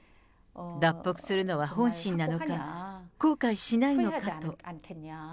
脱北するのは本心なのか、後悔しないのかと。